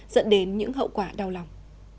dẫn đến những hậu quả đau lòng